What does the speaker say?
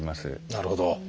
なるほど。